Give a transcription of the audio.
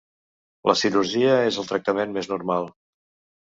La cirurgia és el tractament més normal.